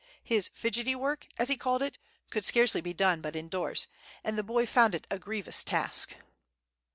His fidgety work, as he called it, could scarcely be done but indoors, and the boy found it a grievous task.